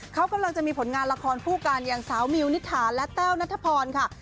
เขากำลังจะมีผลงานละครคู่กันอย่างสาวมิวนิษฐาและแต้วนัทพรค่ะ